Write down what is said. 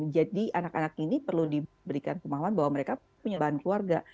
jadi anak anak ini perlu diberikan kemahuan bahwa mereka punya bahan keluarga